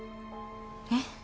えっ？